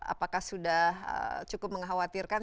apakah sudah cukup mengkhawatirkan